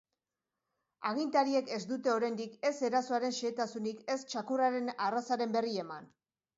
Agintariek ez dute oraindik ez erasoaren xehetasunik ez txakurraren arrazaren berri eman.